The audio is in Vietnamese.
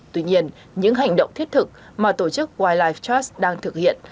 tuy nhiên những hành động thiết thực mà tổ chức wildlife trust đang thực hiện